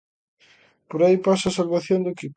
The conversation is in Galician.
Por aí pasa a salvación do equipo.